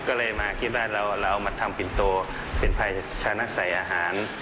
ก็เลยมาคิดว่าเรามาทำปินโตเป็นภายชานใส่อาหาร